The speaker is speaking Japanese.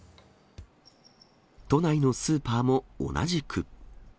都内のスーパーも同じく。